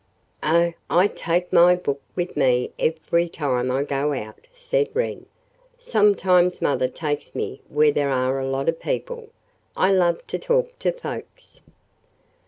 "Oh, I take my book with me every time I go out," said Wren. "Sometimes mother takes me where there are a lot of people. I love to talk to folks."